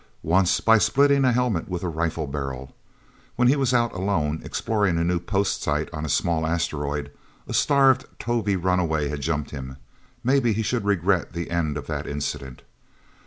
Once by splitting a helmet with a rifle barrel. When he was out alone, exploring a new post site on a small asteroid, a starved Tovie runaway had jumped him. Maybe he should regret the end of that incident.